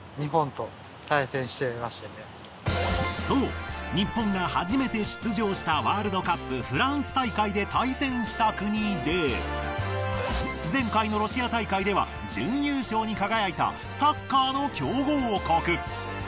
そう日本が初めて出場したワールドカップフランス大会で対戦した国で前回のロシア大会では準優勝に輝いたサッカーの強豪国。